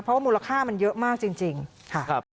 เพราะว่ามูลค่ามันเยอะมากจริงค่ะ